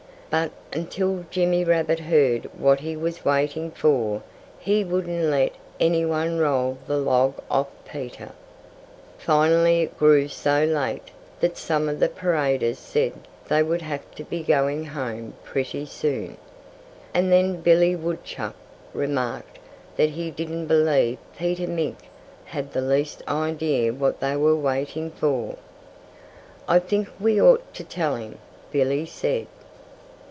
But until Jimmy Rabbit heard what he was waiting for, he wouldn't let anyone roll the log off Peter. Finally it grew so late that some of the paraders said they would have to be going home pretty soon. And then Billy Woodchuck remarked that he didn't believe Peter Mink had the least idea what they were waiting for. "I think we ought to tell him," Billy said.